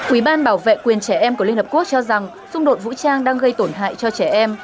ủy ban bảo vệ quyền trẻ em của liên hợp quốc cho rằng xung đột vũ trang đang gây tổn hại cho trẻ em